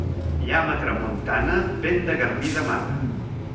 Llamp a tramuntana vent de garbí demana.